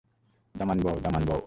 দামান্দ বও দামান্দ বও।